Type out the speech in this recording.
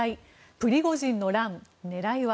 プリゴジンの乱、狙いは？